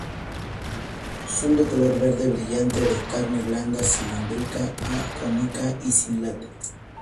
Son de color verde brillante, de carne blanda, cilíndrica a cónica y sin látex.